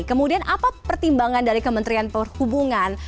kemudian apa pertimbangan dari kementerian perhubungan